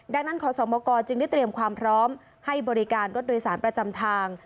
ดังนั้นขอสมกรจึงได้เตรียมความพร้อมให้บริการรถโดยสารประจำทาง